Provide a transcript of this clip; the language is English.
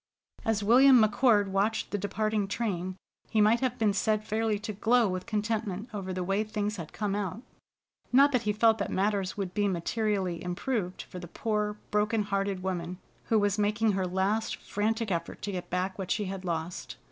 As William McCord watched the departing train, he might have been said fairly to glow with contentment over the way things had come out. Not that he felt that matters would be materially improved for the poor broken hearted woman who was making her last frantic effort to get back what she had lost.